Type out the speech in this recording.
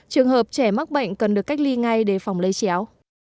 trường hợp trẻ mắc bệnh cần được cách ly ngay để phòng lây chéo